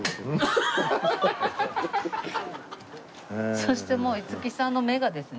そしてもう五木さんの目がですね。